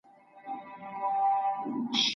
غورځېږم پورته کېږم باک مي نسته له موجونو